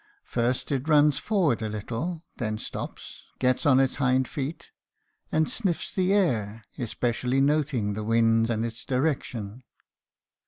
First it runs forward a little, then stops, gets on its hind feet, and sniffs the air, especially noting the wind and its direction.